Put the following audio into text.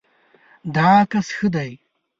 دا عکس ښه دی